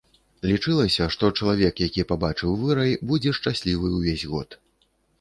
Лічылася, што чалавек, які пабачыў вырай, будзе шчаслівы ўвесь год.